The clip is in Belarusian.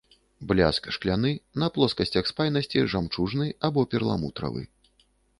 Бляск шкляны, на плоскасцях спайнасці жамчужны або перламутравы.